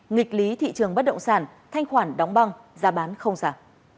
nghịch lý thị trường bất động sản thanh khoản đóng băng giá bán không giảm